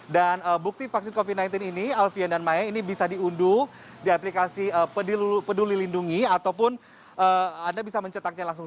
dan bukti vaksin covid sembilan belas ini alvian dan maya ini bisa diunduh di aplikasi peduli lindungi ataupun anda bisa mencetaknya langsung